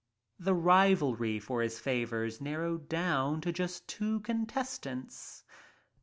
The rivalrv for his faovrs nar rowed down to just two contestants.